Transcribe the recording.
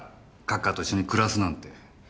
閣下と一緒に暮らすなんて。